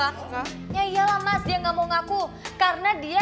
factory ya mas dia nggak mau ngaku karena dia